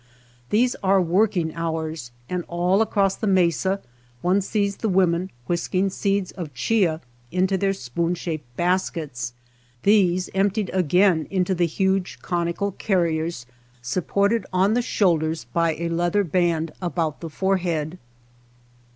These are working hours, and all across the mesa one sees the women whisking seeds of chia into their spoon shaped baskets, these emp tied again into the huge conical carriers, supported on the shoulders by a leather band about the forehead.